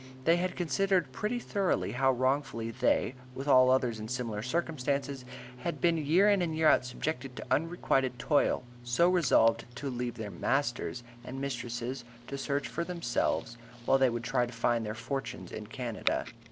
They had considered pretty thoroughly how wrongfully they, with all others in similar circumstances, had been year in and year out subjected to unrequited toil so resolved to leave masters and mistresses to shift for themselves, while they would try their fortunes in Canada.